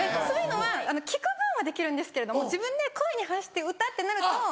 そういうのは聴く分はできるんですけれども自分で声に発して歌ってなると。